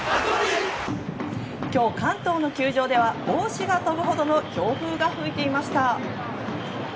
今日、関東の球場では帽子が飛ぶほどの強風が吹いていました。